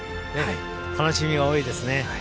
楽しみが多いですね。